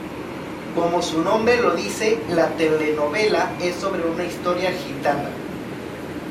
Como su nombre lo dice la telenovela es sobre una historia gitana.